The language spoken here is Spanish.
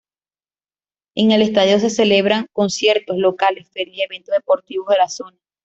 En el estadio se celebran conciertos locales, ferias y eventos deportivos de la zona.